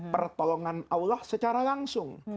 pertolongan allah secara langsung